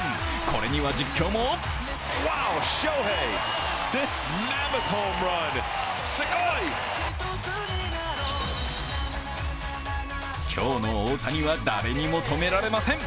これには実況も今日の大谷は誰にも止められません。